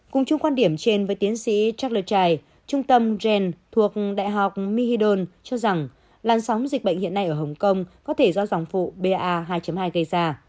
cùng chung quan điểm trên với tiến sĩ jack lechai trung tâm gen thuộc đại học my hidon cho rằng làn sóng dịch bệnh hiện nay ở hồng kông có thể do dòng phụ ba hai hai gây ra